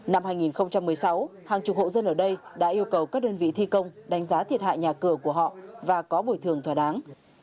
năm hai nghìn một mươi sáu hàng chục hộ dân ở đây đã yêu cầu các đơn vị thi công đánh giá thiệt hại nhà cửa của họ và có bồi thường thỏa đáng